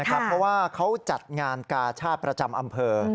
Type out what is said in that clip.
เพราะว่าเขาจัดงานกาชาติประจำอำเภอ